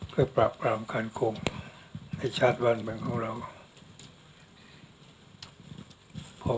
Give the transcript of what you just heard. เพื่อปราบปรามการคงให้ชาติบ้านเมืองของเรา